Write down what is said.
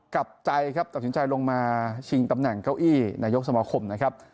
กลับใจครับตัดสินใจลงมาชิงตำแหน่งเก้าอี้นายกสมาคมนะครับ